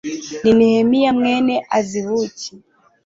ni nehemiya mwene azibuki